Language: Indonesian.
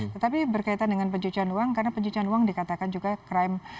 tetapi berkaitan dengan pencucian uang karena pencucian uang dikatakan juga crime